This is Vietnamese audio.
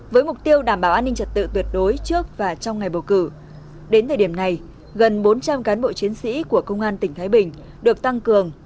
với mục tiêu đảm bảo an ninh trật tự tuyệt đối trước và trong ngày bầu cử đến thời điểm này gần bốn trăm linh cán bộ chiến sĩ của công an tỉnh thái bình được tăng cường